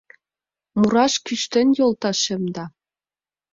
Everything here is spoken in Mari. Мураш кӱштен йолташем да